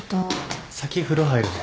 先風呂入るね。